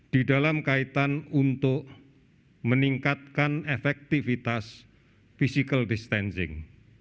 di dalam kaitan untuk meningkatkan efektivitas physical distancing